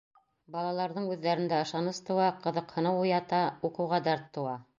Балаларҙың үҙҙәрендә ышаныс тыуа, ҡыҙыҡһыныу уята, уҡыуға дәрт тыуа.